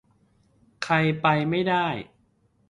ใครไปไม่ได้